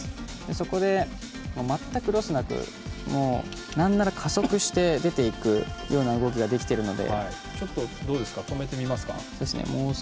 そこで、全くロスなくなんなら、加速して出て行くような動きができているので。